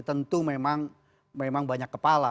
tentu memang banyak kepala